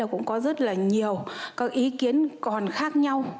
có rất nhiều ý kiến còn khác nhau